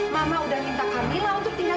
mama udah minta kamila untuk tinggal